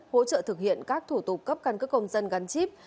hỗ trợ thực hiện các thủ tục cấp căn cước công dân gắn chip